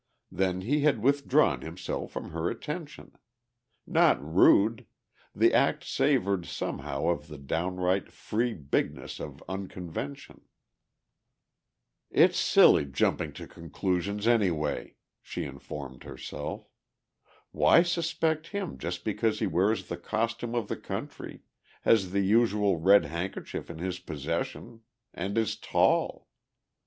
Then he had withdrawn himself from her attention. Not rude, the act savoured somehow of the downright free bigness of unconvention. "It's silly, jumping to conclusions, any way," she informed herself. "Why suspect him just because he wears the costume of the country, has the usual red handkerchief in his possession and is tall?